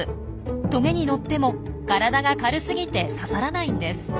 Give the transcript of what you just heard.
トゲに乗っても体が軽すぎて刺さらないんです。